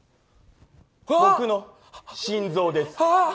僕の心臓です。